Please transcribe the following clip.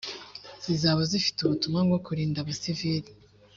zizaba zifite ubutumwa bwo kurinda abasivili